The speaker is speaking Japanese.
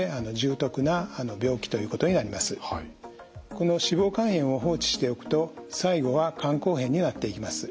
この脂肪肝炎を放置しておくと最後は肝硬変になっていきます。